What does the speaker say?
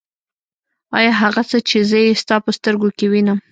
آيا هغه څه چې زه يې ستا په سترګو کې وينم.